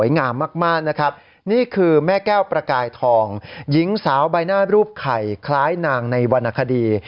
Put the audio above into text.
งามมากนะครับนี่คือแม่แก้วประกายทองหญิงสาวใบหน้ารูปไข่คล้ายนางในวรรณคดี